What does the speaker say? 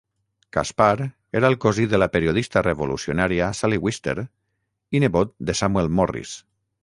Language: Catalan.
Caspar era cosí de la periodista revolucionària Sally Wister i nebot de Samuel Morris.